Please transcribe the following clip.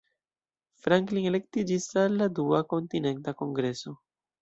Franklin elektiĝis al la Dua Kontinenta Kongreso.